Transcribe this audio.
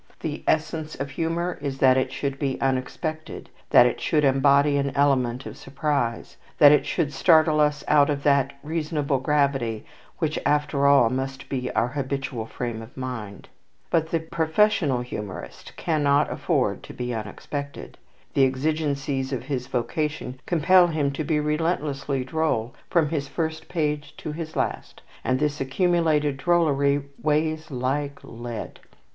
The essence of humour is that it should be unexpected, that it should embody an element of surprise, that it should startle us out of that reasonable gravity which, after all, must be our habitual frame of mind. But the professional humourist cannot afford to be unexpected. The exigencies of his vocation compel him to be relentlessly droll from his first page to his last, and this accumulated drollery weighs like lead.